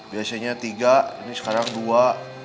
biasanya tiga ini sekarang dua